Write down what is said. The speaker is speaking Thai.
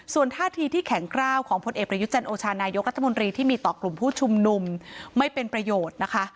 ส่วนท่าทีที่แข็งกล้าวของพลเอกประยุทธ์จันโอชานายกรัฐมนตรีที่มีต่อกลุ่มผู้ชุมนุมไม่เป็นประโยชน์นะคะ